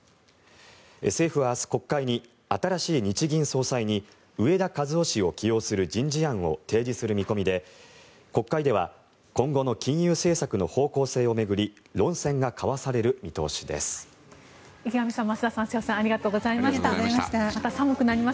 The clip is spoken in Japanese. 政府は明日、国会に新しい日銀総裁に植田和男氏を起用する人事案を提示する見込みで国会では今後の金融政策の方向性を巡り論戦が交わされる見通しです。